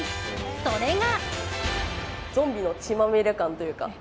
それが。